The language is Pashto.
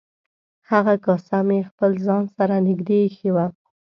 هغه کاسه مې خپل ځان سره نږدې ایښې وه.